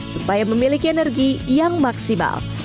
supaya memiliki energi yang maksimal